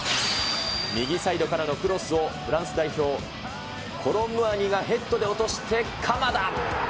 右サイドからのクロスを、フランス代表、コロ・ムアニがヘッドで落として鎌田。